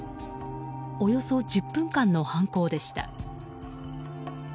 およそ１０分間の犯行でした。